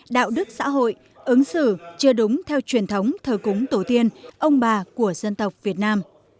đạo đức xã hội ứng xử chưa đúng theo truyền thống thờ cúng tổ tiên ông bà của dân tộc việt nam